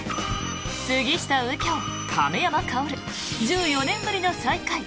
杉下右京、亀山薫１４年ぶりの再会。